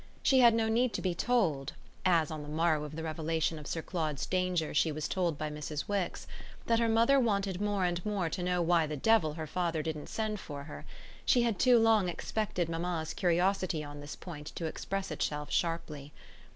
She had no need to be told, as on the morrow of the revelation of Sir Claude's danger she was told by Mrs. Wix, that her mother wanted more and more to know why the devil her father didn't send for her: she had too long expected mamma's curiosity on this point to express itself sharply.